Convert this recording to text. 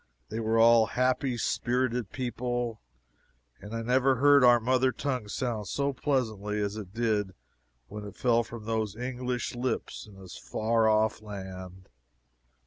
They were all happy spirited people, and I never heard our mother tongue sound so pleasantly as it did when it fell from those English lips in this far off land.